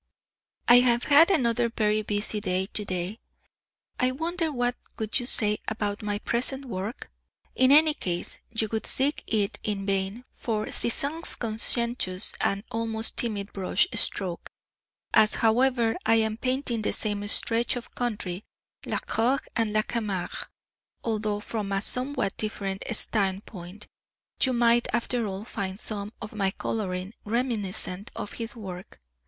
I have had another very busy day to day. I wonder what you would say about my present work? In any case you would seek in it in vain for Cézanne's conscientious and almost timid brush stroke. As, however, I am painting the same stretch of country, La Crau and La Camargue, although from a somewhat different standpoint, you might after all find some of my colouring reminiscent of his work.